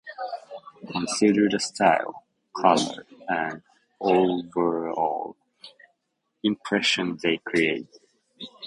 Consider the style, colors, and overall impression they create.